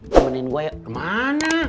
temenin gue ke mana